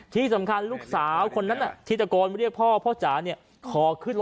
ที่สำคัญลูกสาวคนนั้นที่ตะโกนมาเรียกพ่อ